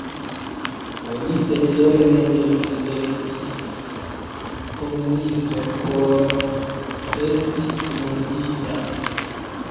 Oni cetere ne devis estis komunisto por esti murdita.